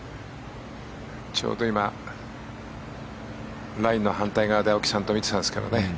ちょうど今ラインの反対側で青木さんと見てたんですけどね。